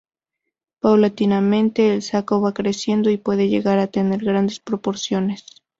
Paulatinamente, el saco va creciendo y puede llegar a tener grandes proporciones.